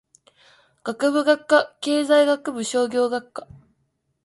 学部・学科経済学部商業学科